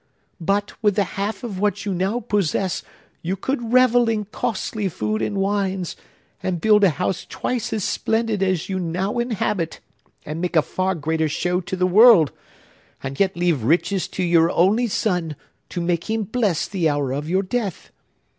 but, with the half of what you now possess, you could revel in costly food and wines, and build a house twice as splendid as you now inhabit, and make a far greater show to the world,—and yet leave riches to your only son, to make him bless the hour of your death!